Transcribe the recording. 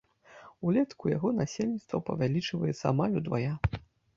Улетку яго насельніцтва павялічваецца амаль удвая.